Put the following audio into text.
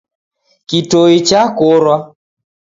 Kitoi chakorwa